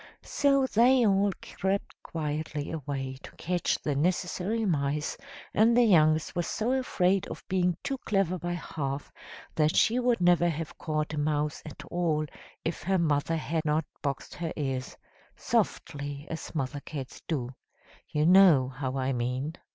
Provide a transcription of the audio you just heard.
So they all crept quietly away to catch the necessary mice, and the youngest was so afraid of being too clever by half, that she would never have caught a mouse at all, if her mother had not boxed her ears softly, as mother cats do; you know how I mean!